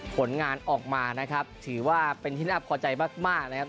ผลงานออกมานะครับถือว่าเป็นที่น่าพอใจมากนะครับ